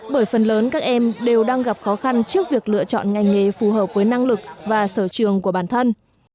bởi phần lớn các em đều đang gặp khó khăn trước việc lựa chọn ngành nghề phù hợp với năng lực và sở trường của bản thân